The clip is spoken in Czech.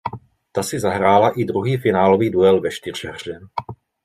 Ta si zahrála i druhý finálový duel ve čtyřhře.